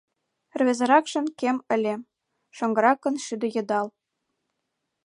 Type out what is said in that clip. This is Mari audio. Рвезыракшын кем ыле, шоҥгыракын — шӱштӧ йыдал.